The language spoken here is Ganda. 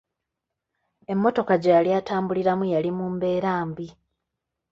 Emmotoka gye yali atambuliramu yali mu mbeera mbi.